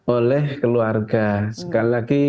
oleh keluarga sekali lagi